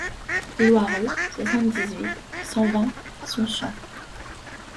Louareux, soixante-dix-huit, cent vingt Sonchamp